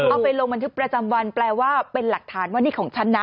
ไปลงบันทึกประจำวันแปลว่าเป็นหลักฐานว่านี่ของฉันนะ